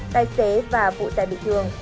tài xế và vụ tải bị thương